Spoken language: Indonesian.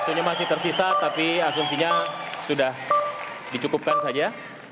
waktunya masih tersisa tapi akuntinya sudah dicukupkan saja